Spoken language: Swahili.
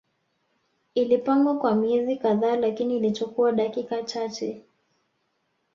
Ilipangwa kwa miezi kadhaa lakini ilichukua dakika chache